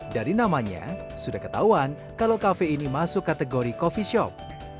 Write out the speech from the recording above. dari namanya sudah ketahuan kalau kafe ini masuk kategori coffee shop